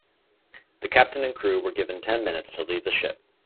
The captain and crew were given ten minutes to leave the ship.